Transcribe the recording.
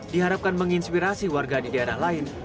diharapkan menginspirasi warga di daerah lain